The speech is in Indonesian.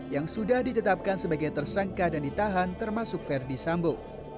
yang sudah ditetapkan sebagai tersangka dan ditahan termasuk verdi sambo